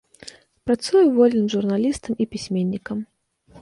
Працуе вольным журналістам і пісьменнікам.